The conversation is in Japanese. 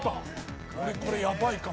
俺これやばいかも。